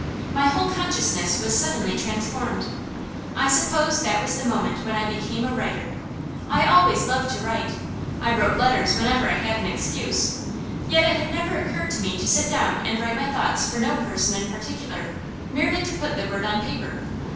My whole consciousness was suddenly transformed. I suppose that was the moment when I became a writer. I always loved to write, I wrote letters whenever I had an excuse, yet it had never occurred to me to sit down and write my thoughts for no person in particular, merely to put the word on paper.